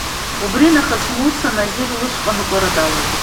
Убри нахыс Муса, Назир лышҟа аныҟәара далагеит.